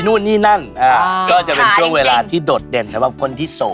นู่นนี่นั่นก็จะเป็นช่วงเวลาที่โดดเด่นสำหรับคนที่โสด